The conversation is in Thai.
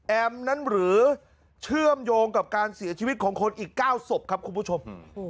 นั้นหรือเชื่อมโยงกับการเสียชีวิตของคนอีก๙ศพครับคุณผู้ชม